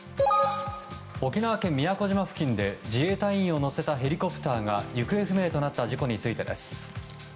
沖縄県宮古島付近で自衛隊員を乗せたヘリコプターが行方不明となった事故についてです。